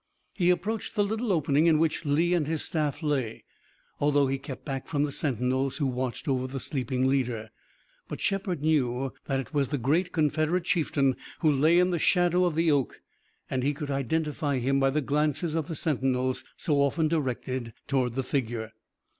He approached the little opening in which Lee and his staff lay, although he kept back from the sentinels who watched over the sleeping leader. But Shepard knew that it was the great Confederate chieftain who lay in the shadow of the oak and he could identify him by the glances of the sentinels so often directed toward the figure.